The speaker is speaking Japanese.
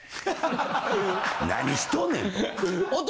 何しとんねんと。